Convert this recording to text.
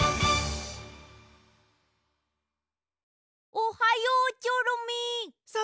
おはようチョロミー。